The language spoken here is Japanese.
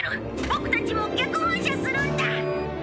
ボクたちも逆噴射するんだ！